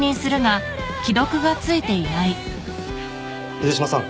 水島さん